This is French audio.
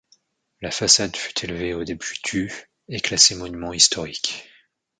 La façade fut élevée au début du et classée monument historique.